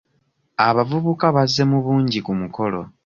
Abavubuka bazze mu bungi ku mukolo.